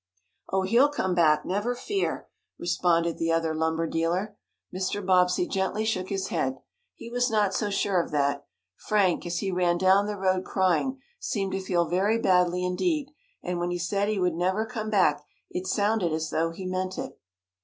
"Oh, he'll come back never fear!" responded the other lumber dealer. Mr. Bobbsey gently shook his head. He was not so sure of that. Frank, as he ran down the road, crying, seemed to feel very badly indeed, and when he said he would never come back it sounded as though he meant it.